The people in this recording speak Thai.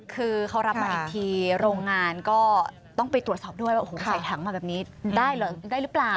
คือเขารับมาอีกทีโรงงานก็ต้องไปตรวจสอบด้วยว่าโอ้โหใส่ถังมาแบบนี้ได้เหรอได้หรือเปล่า